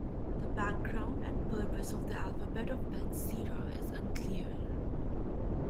The background and purpose of "The Alphabet of Ben-Sira" is unclear.